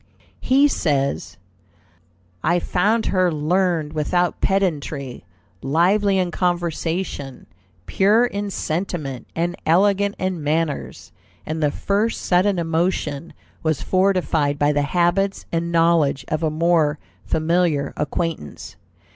He says: "I found her learned without pedantry, lively in conversation, pure in sentiment, and elegant in manners; and the first sudden emotion was fortified by the habits and knowledge of a more familiar acquaintance....